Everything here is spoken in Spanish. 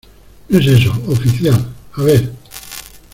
no es eso, oficial. a ver .